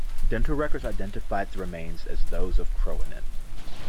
Dental records identified the remains as those of Kroenen.